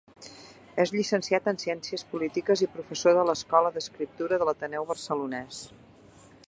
És llicenciat en ciències polítiques i professor de l'Escola d'Escriptura de l'Ateneu Barcelonès.